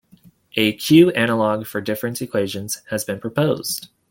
A q-analogue for difference equations has been proposed.